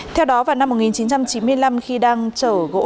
theo đó vào năm một nghìn chín trăm chín mươi năm khi đang trở gối